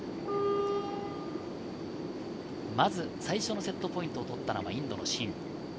まず最初のセットポイントを取ったのはインドのシン。